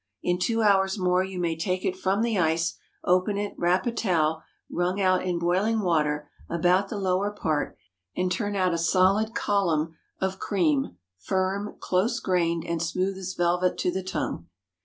In two hours more you may take it from the ice, open it, wrap a towel, wrung out in boiling water, about the lower part, and turn out a solid column of cream, firm, close grained, and smooth as velvet to the tongue.